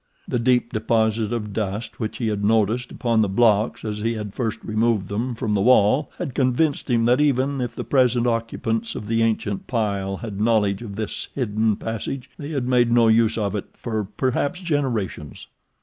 The deep deposit of dust which he had noticed upon the blocks as he had first removed them from the wall had convinced him that even if the present occupants of the ancient pile had knowledge of this hidden passage they had made no use of it for perhaps generations.